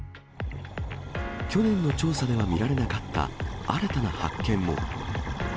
去年の調査では見られなかった、新たな発見も。